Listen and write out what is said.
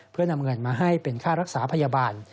เพื่อนำเงินมาให้เป็นค่ารักษาพยาบาล